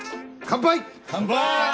乾杯！